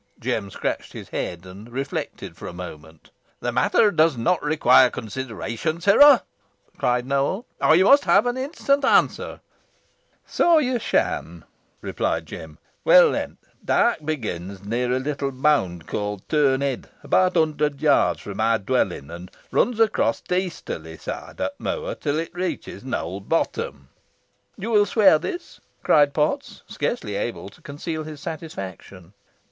Jem scratched his head, and reflected a moment. "The matter does not require consideration, sirrah," cried Nowell. "I must have an instant answer." "So yo shan," replied Jem; "weel, then, th' dyke begins near a little mound ca'd Turn Heaod, about a hundert yards fro' my dwellin', an runs across th' easterly soide o't moor till it reaches Knowl Bottom." "You will swear this?" cried Potts, scarcely able to conceal his satisfaction.